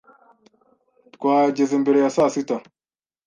Twahageze mbere ya saa sita